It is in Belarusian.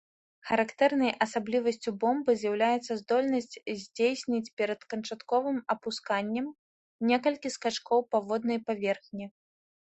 Характэрнай асаблівасцю бомбы з'яўляецца здольнасць здзейсніць перад канчатковым апусканнем некалькі скачкоў па воднай паверхні.